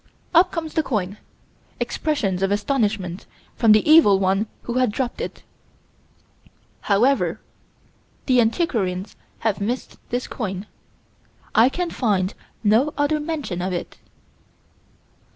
Up comes the coin expressions of astonishment from the evil one who had dropped it. However, the antiquarians have missed this coin. I can find no other mention of it.